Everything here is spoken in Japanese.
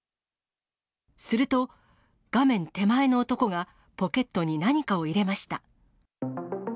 すると、画面手前の男がポケットに何かを入れました。